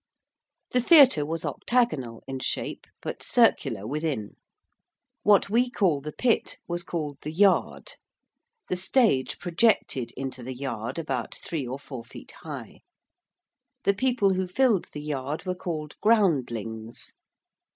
The theatre was octagonal in shape but circular within. What we call the pit was called the 'yarde.' The stage projected into the 'yarde,' about three or four feet high. The people who filled the 'yarde' were called groundlings.